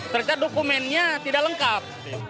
terusnya dokumennya tidak lengkap